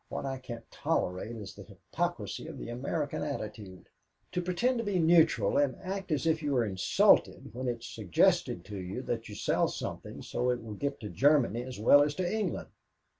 What I can't tolerate is the hypocrisy of the American attitude. To pretend to be neutral and act as if you were insulted when it is suggested to you that you sell something so it will get to Germany as well as to England.